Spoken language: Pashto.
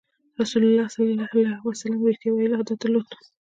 رسول الله ﷺ د رښتیا ویلو عادت درلود.